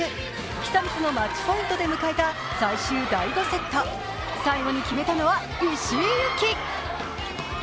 久光のマッチポイントで迎えた最終第５セット最後に決めたのは石井優希。